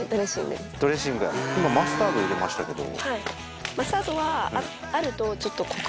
ドレッシング今マスタード入れましたけど。